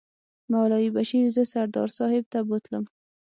مولوي بشیر زه سردار صاحب ته بوتلم.